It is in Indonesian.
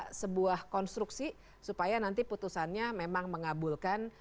ada sebuah konstruksi supaya nanti putusannya memang mengabulkan